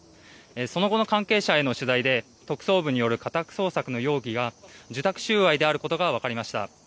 その後の関係者への取材で特捜部による家宅捜索の容疑が受託収賄であることが分かりました。